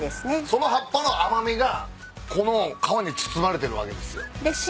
その葉っぱの甘味がこの皮に包まれてるわけですよ。